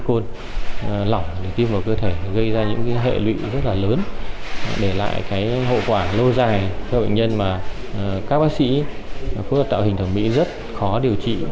các bệnh nhân bị lỏng để tiêm vào cơ thể gây ra những hệ lụy rất là lớn để lại cái hậu quả lô dài cho bệnh nhân mà các bác sĩ phẫu thuật tạo hình thẩm mỹ rất khó điều trị